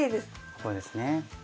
こうですね。